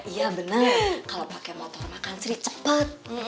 iya bener kalo pake motor makan sih cepet